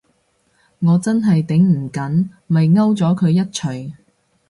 我真係頂唔緊，咪摳咗佢一鎚